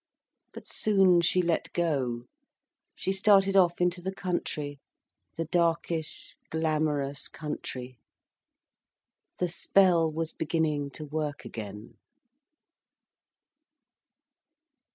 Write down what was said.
But soon she let go. She started off into the country—the darkish, glamorous country. The spell was beginning to work again.